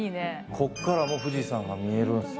ここからも富士山が見える。